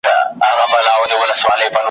جاهلان مني خدایي د بندگانو !.